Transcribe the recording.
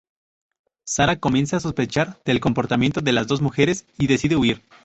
Sara comienza a sospechar del comportamiento de las dos mujeres y decide huir.